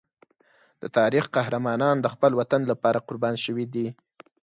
د تاریخ قهرمانان د خپل وطن لپاره قربان شوي دي.